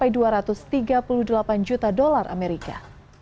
pada tahun dua ribu delapan belas mencapai dua ratus tiga puluh delapan juta dolar amerika